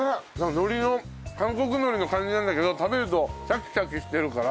海苔の韓国海苔の感じなんだけど食べるとシャキシャキしてるから。